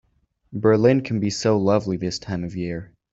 Berlin can be so lovely this time of year.